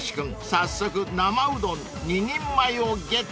早速生うどん２人前をゲット］